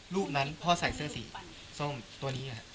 รูปนั้นพ่อใส่เสื้อสีส้มตัวนี้